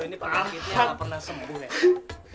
pernah kaitnya gak pernah sembuh ya